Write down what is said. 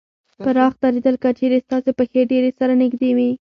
پراخ درېدل : که چېرې ستاسې پښې ډېرې سره نږدې وي